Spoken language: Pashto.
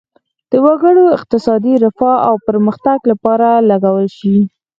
د وګړو د اقتصادي رفاه او پرمختګ لپاره لګول شي.